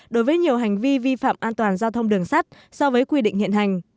đối với nhiều hành vi vi phạm an toàn giao thông đường sắt so với quy định hiện hành